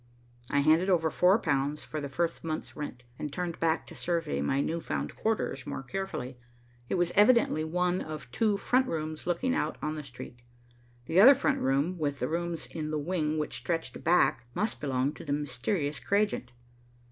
I handed over four pounds for the first month's rent, and turned back to survey my new found quarters more carefully. It was evidently one of two front rooms looking out on the street. The other front room with the rooms in the wing which stretched back must belong to the mysterious Cragent.